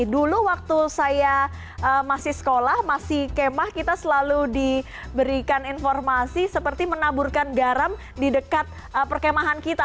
dulu waktu saya masih sekolah masih kemah kita selalu diberikan informasi seperti menaburkan garam di dekat perkemahan kita